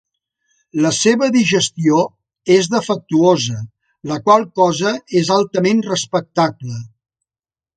La seva digestió és defectuosa, la qual cosa és altament respectable.